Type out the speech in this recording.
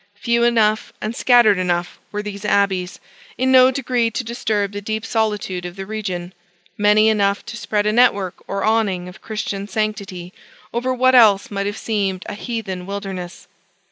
Few enough, and scattered enough, were these abbeys, in no degree to disturb the deep solitude of the region; many enough to spread a network or awning of Christian sanctity over what else might have seemed a heathen wilderness.